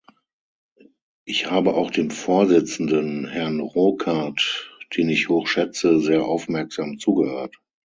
Ich habe auch dem Vorsitzenden, Herrn Rocard, den ich hoch schätze, sehr aufmerksam zugehört.